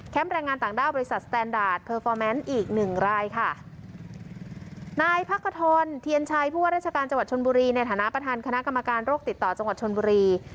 แรงงานต่างด้าวบริษัทสแตนดาร์ดเพอร์ฟอร์แมนต์อีกหนึ่งรายค่ะนายพักขทรเทียนชัยผู้ว่าราชการจังหวัดชนบุรีในฐานะประธานคณะกรรมการโรคติดต่อจังหวัดชนบุรี